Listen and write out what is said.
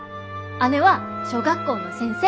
姉は小学校の先生。